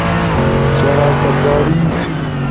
شراکت داری